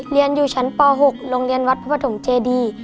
เรียนอยู่ชั้นป๖โรงเรียนวัดพระปฐมเจดี